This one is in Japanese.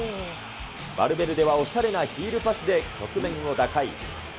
バルベルデはおしゃれなヒールパスで、局面を打開。